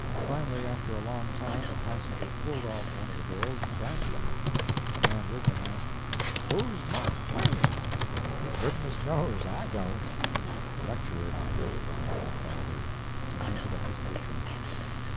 Finally, after a long time, a passenger pulled off one of the bills and glanced at it. A man with him asked: "Who's Mark Twain?" "Goodness knows! I don't." The lecturer could not ride any farther. He hunted up his patron.